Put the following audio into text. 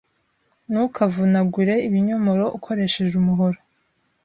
Ntukavunagure ibinyomoro ukoresheje umuhoro.